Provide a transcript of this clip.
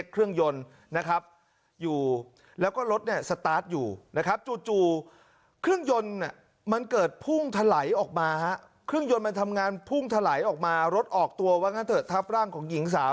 เครื่องยนต์นะครับทำงานพุ่งถลายออกมารถออกตัวว่างั้นเถอะทับร่างของหญิงสาว